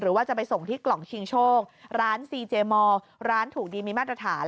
ว่าจะไปส่งที่กล่องชิงโชคร้านซีเจมอร์ร้านถูกดีมีมาตรฐาน